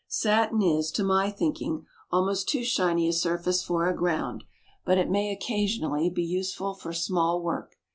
Satin is, to my thinking, almost too shiny a surface for a ground, but it may, occasionally, be useful for small work.